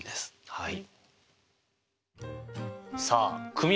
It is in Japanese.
はい。